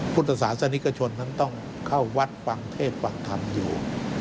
พุทธศาสนิกชนนั้นต้องเข้าวัดฟังเทพฟังธรรมอยู่